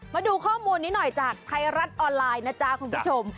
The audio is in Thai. มาดูข้อมูลนี้หน่อยจากไทยรัฐออนไลน์นะจ๊ะคุณผู้ชม